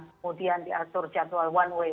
kemudian diatur jadwal one way